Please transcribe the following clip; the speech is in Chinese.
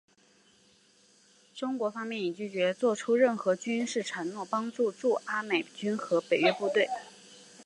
中国方面已拒绝做出任何军事承诺帮助驻阿美军和北约部队。